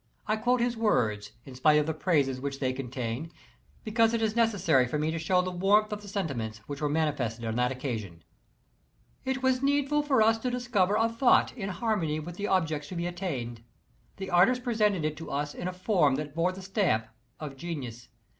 I quote his words, in spite of the praises which they contain, because it is necessary for me to show the warmth of tlie sentiments which were manifested on that occasion: It was needful for us to discover a thought in harmony with the object to be attained. The artist presented it to us in a form that bore the stamp of genius.